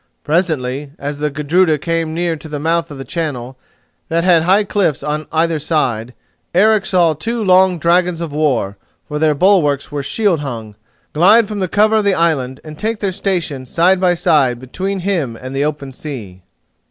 Presently, as the Gudruda came near to the mouth of the channel, that had high cliffs on either hand, Eric saw two long dragons of war—for their bulwarks were shield hung—glide from the cover of the island and take their station side by side between him and the open sea.